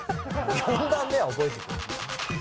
４番目は覚えてくれ。